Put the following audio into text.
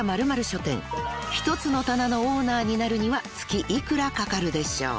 ○○書店一つの棚のオーナーになるには月幾らかかるでしょう？］